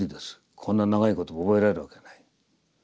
こんな長い言葉を覚えられるわけがない。